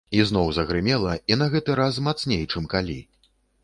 Ізноў загрымела, і на гэты раз мацней, чым калі.